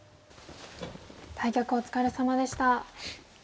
対局お疲れさまでした。